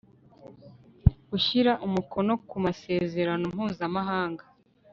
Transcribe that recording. gushyira umukono ku masezerano mpuzamahanga